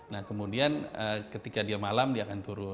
nah kemudian ketika dia malam dia akan turun